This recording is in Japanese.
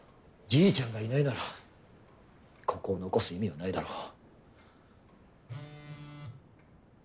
じいちゃんがいないならここを残す意味はないだろ。